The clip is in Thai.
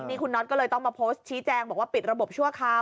นี่คุณน็อตก็เลยต้องมาโพสต์ชี้แจงบอกว่าปิดระบบชั่วคราว